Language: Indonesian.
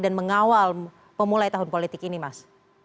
dan mengawal pemulai tahun politik ini mas